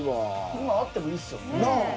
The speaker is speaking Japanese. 今あってもいいですよね。